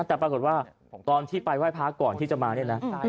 แต่ปรากฏว่าตอนที่ไปไหว้พระก่อนที่จะมาเนี่ยนะ